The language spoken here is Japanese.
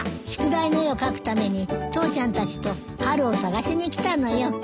宿題の絵を描くために父ちゃんたちと春を探しに来たのよ。